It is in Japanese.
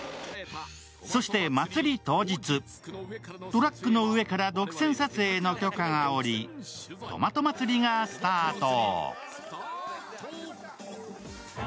トラックの上から独占撮影の許可が下り、トマト祭りがスタート。